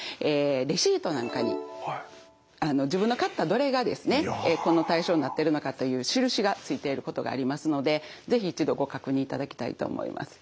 レシートなんかに自分の買ったどれがですねこの対象になってるのかという印がついていることがありますので是非一度ご確認いただきたいと思います。